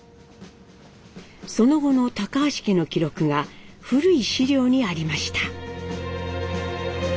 その後の橋家の記録が古い資料にありました。